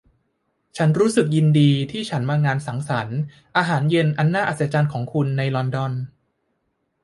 ฉันรู้สึกยินดีที่ฉันมางานสังสรรค์อาหารเย็นอันน่าอัศจรรย์ของคุณในลอนดอน